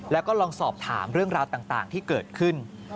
แล้วก็ลองสอบถามเรื่องราวต่างที่เกิดขึ้น